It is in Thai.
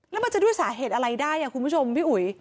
แล้วมันจะด้วยสาเหตุอะไรได้คุณผู้ชมพี่อุ๋ย